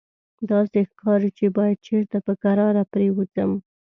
داسې ښکاري چې باید چېرته په کراره پرېوځم.